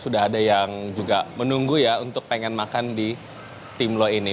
sudah ada yang juga menunggu ya untuk pengen makan di timlo ini